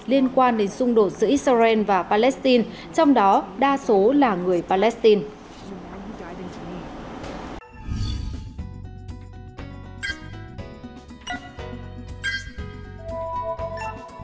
liên quan đến xung đột giữa israel và palestine trong đó đa số là người palestine